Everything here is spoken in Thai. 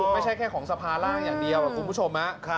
ไม่ใช่แค่ของสภาร่างอย่างเดียวคุณผู้ชม